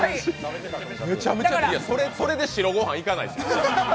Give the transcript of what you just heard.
それで白ご飯いかないですよ。